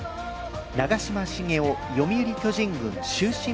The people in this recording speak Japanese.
長嶋茂雄読売巨人軍終身